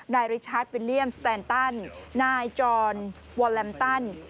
นายริชาร์ดวิลเลียมสแตนตันนายจอห์ลวอลลัมตัน